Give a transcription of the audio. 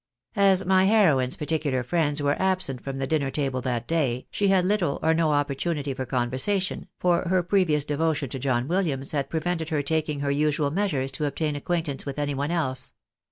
As my heroine's particular friends were absent from the dinner table that day, she had little or no opportunity for conversation, for her previous devotion to John Williams had prevented her taking her usual measures to obtaiu acquaintance with any one else.